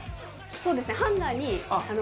そうですね。